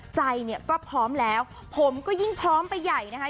ใจเนี่ยก็พร้อมแล้วผมก็ยิ่งพร้อมไปใหญ่นะคะ